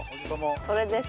それです。